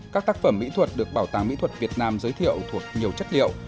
các tác phẩm mỹ thuật được bảo tàng mỹ thuật việt nam giới thiệu thuộc nhiều chất liệu